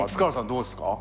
どうですか？